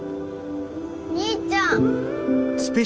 兄ちゃん。